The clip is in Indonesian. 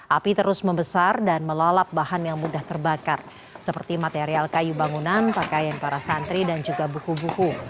api terus membesar dan melalap bahan yang mudah terbakar seperti material kayu bangunan pakaian para santri dan juga buku buku